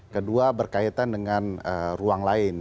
kedua berkaitan dengan ruang lain